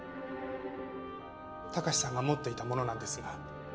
貴史さんが持っていたものなんですが。